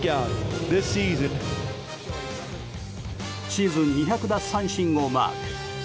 シーズン２００奪三振をマーク。